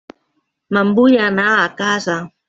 Me'n vull anar a casa.